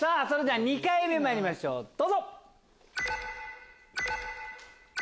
２回目まいりましょうどうぞ。